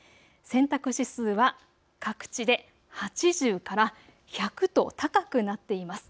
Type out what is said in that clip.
洗濯指数は各地で８０から１００と高くなっています。